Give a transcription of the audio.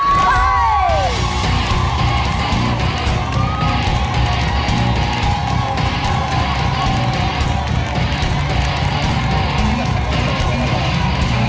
ห้าสี่สี่หกห้าสี่สามสองหนึ่ง